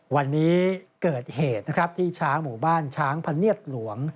วันนี้เกิดเหตุนะครับที่ช้างหมู่บ้านช้างพะเนียดหลวง